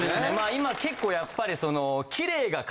今結構やっぱりその。